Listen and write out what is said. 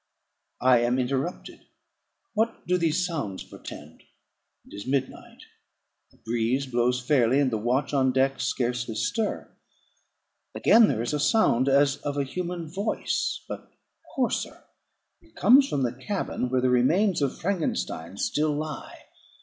I am interrupted. What do these sounds portend? It is midnight; the breeze blows fairly, and the watch on deck scarcely stir. Again; there is a sound as of a human voice, but hoarser; it comes from the cabin where the remains of Frankenstein still lie.